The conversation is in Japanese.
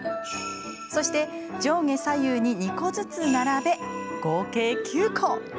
そして、上下左右に２個ずつ並べ合計９個。